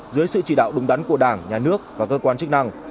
dưới sự chỉ đạo đúng đắn của đảng nhà nước và cơ quan chức năng